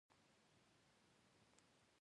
دا قاضي د انصاف غوښتنه کوي.